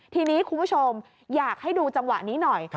ทีนี้คุณผู้ชมอยากให้ดูจังหวะนี้หน่อย